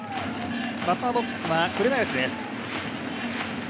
バッターボックスは紅林です。